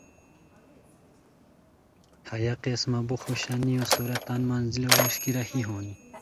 ہیہ قسمہ بو خوشانیو سورا تان منزلو ووݰکی راہی ہونی